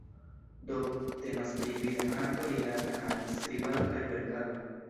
Do, temas pri vida arto rilata al skribado kaj verkado.